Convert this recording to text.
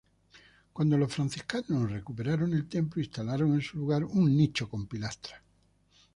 Cuando los franciscanos recuperaron el templo instalaron en su lugar un "nicho con pilastras".